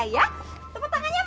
tepuk tangannya mat